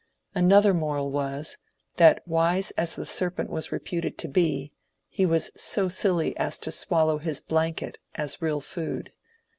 Another moral was, that wise as the serpent was reputed to be, he was so silly as to swallow his blanket as real food.